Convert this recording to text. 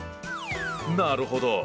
なるほど。